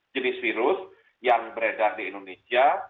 jenis virus yang beredar di indonesia